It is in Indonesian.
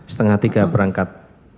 setengah tiga berangkat